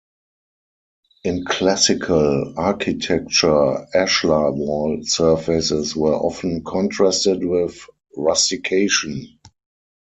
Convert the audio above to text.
In classical architecture, ashlar wall surfaces were often contrasted with rustication.